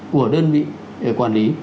của đơn vị quản lý